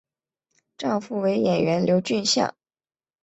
丈夫为演员刘俊相。